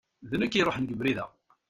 D nekk i iṛuḥen g ubrid-a.